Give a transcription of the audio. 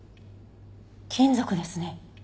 金属ですね。